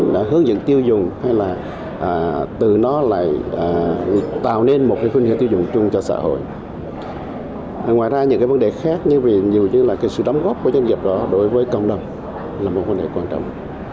nhiều vấn đề khác như là sự đóng góp của doanh nghiệp đó đối với cộng đồng là một vấn đề quan trọng